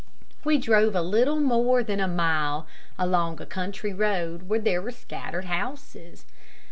We drove a little more than a mile along a country road where there were scattered houses.